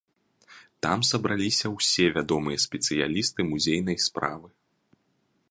Там сабраліся ўсе вядомыя спецыялісты музейнай справы.